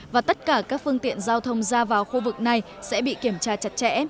và tất cả các phương tiện giao thông ra vào khu vực này sẽ bị kiểm tra chặt chẽ